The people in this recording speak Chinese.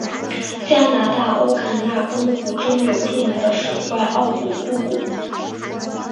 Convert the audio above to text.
加拿大欧肯纳根湖中有著名的水怪奥古布古。